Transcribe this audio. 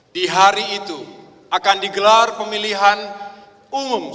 di hari itu akan digelar pemilihan umum